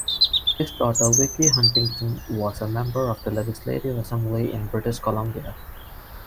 His daughter Vicki Huntington was a member of the Legislative Assembly in British Columbia.